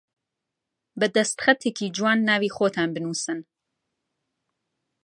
بە دەستخەتێکی جوان ناوی خۆتان بنووسن